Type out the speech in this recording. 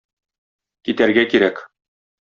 Китәргә кирәк.